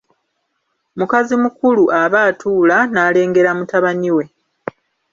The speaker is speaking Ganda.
Mukazi mukulu aba atuula n'alengera mutabani we.